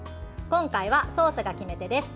今回はソースが決め手です。